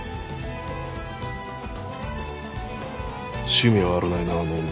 趣味は悪ないなあの女。